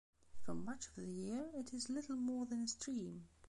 For much of the year, it is little more than a stream.